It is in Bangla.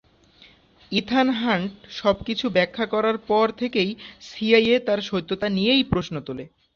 ইথান হান্ট সবকিছু ব্যাখ্যা করার পর থেকেই সিআইএ তার সততা নিয়েই প্রশ্ন তোলে।